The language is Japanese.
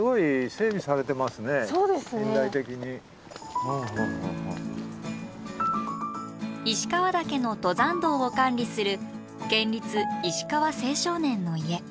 でも何か石川岳の登山道を管理する県立石川青少年の家。